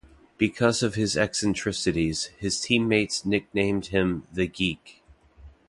Because of his eccentricities, his teammates nicknamed him "The Geek".